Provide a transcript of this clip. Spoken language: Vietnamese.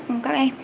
để thu hút các em